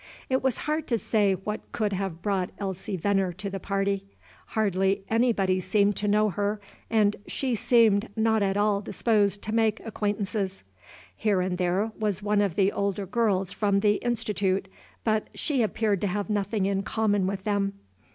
It was hard to say what could have brought Elsie Venner to the party. Hardly anybody seemed to know her, and she seemed not at all disposed to make acquaintances. Here and there was one of the older girls from the Institute, but she appeared to have nothing in common with them.